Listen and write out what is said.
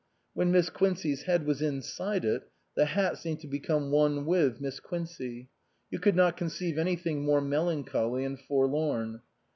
When Miss Quincey's head was inside it the hat seemed to become one with Miss Quincey ; you could not conceive anything more melan choly and forlorn.